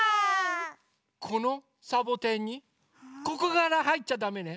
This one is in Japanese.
このサボテンにここからはいっちゃだめね。